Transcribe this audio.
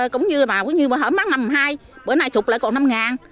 cũng như mất năm hai